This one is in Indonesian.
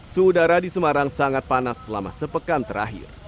suhu udara di semarang sangat panas selama sepekan terakhir